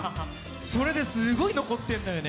それですっごい残ってるのよね。